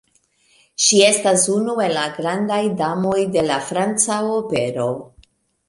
Ŝi estas unu el la grandaj damoj de la franca opero.